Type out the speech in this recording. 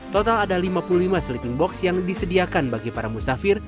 total ada lima puluh lima sleeping box yang disediakan bagi para musafir